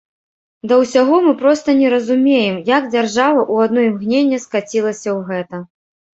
Да ўсяго, мы проста не разумеем, як дзяржава ў адно імгненне скацілася ў гэта.